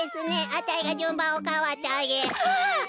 あたいがじゅんばんをかわってあげハッ！